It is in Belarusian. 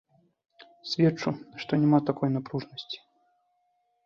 Сведчу, што няма такой напружанасці.